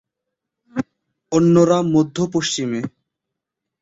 অন্যরা মধ্য-পশ্চিমে।